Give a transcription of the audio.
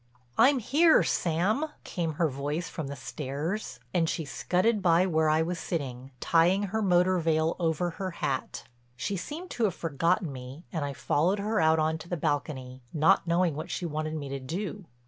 "I'm here, Sam," came her voice from the stairs and she scudded by where I was sitting, tying her motor veil over her hat. She seemed to have forgotten me and I followed her out on to the balcony, not knowing what she wanted me to do.